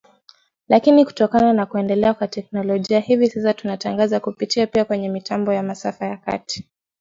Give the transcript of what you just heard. Lakini kutokana na kuendelea kwa teknolojia hivi sasa tunatangaza kupitia pia kwenye mitambo ya masafa ya kati